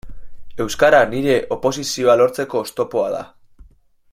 Euskara nire oposizioa lortzeko oztopoa da.